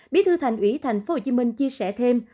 bí thư thành ủy tp hcm chia sẻ thêm